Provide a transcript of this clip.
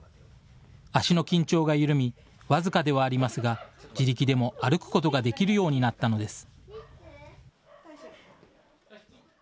足の緊張がゆるみ、僅かではありますが、自力でも歩くことができるようになったのです。